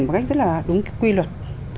một cách rất là đúng quy luật